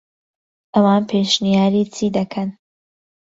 ئەوان پێشنیاری چی دەکەن؟